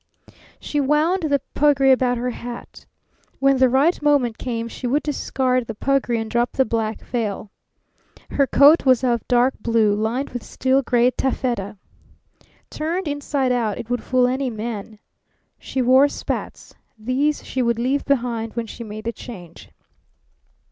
She wound the puggree about her hat. When the right moment came she would discard the puggree and drop the black veil. Her coat was of dark blue, lined with steel gray taffeta. Turned inside out it would fool any man. She wore spats. These she would leave behind when she made the change.